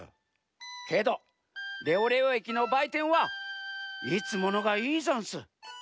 けどレオレオえきのばいてんはいつものがいいざんす。